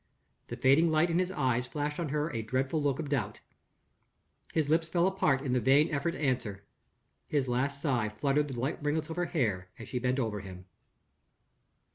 The fading light in his eyes flashed on her a dreadful look of doubt. His lips fell apart in the vain effort to answer. His last sigh fluttered the light ringlets of her hair as she bent over him.